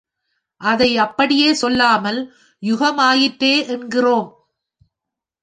அதை அப்படியே சொல்லாமல் யுகம் ஆயிற்றே என்கிறோம்.